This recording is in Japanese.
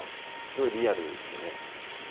すごいリアルっすよね。